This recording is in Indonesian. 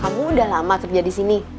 kamu udah lama kerja di sini